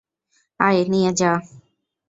আয় নিয়ে যা।